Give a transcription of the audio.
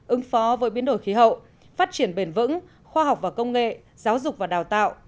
ứng phó với biến đổi khí hậu phát triển bền vững khoa học và công nghệ giáo dục và đào tạo